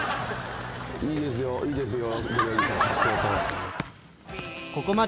いいですよいいですよ。